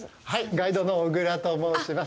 ガイドの小倉と申します。